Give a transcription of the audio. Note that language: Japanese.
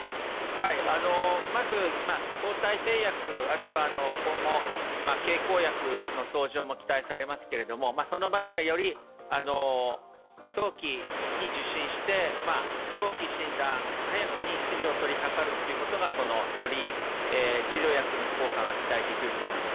また抗体製薬なども期待されますけれども、その場合には、より早期に受診して早期診断、早くに治療に取りかかるということがより治療薬の効果が期待できると思います。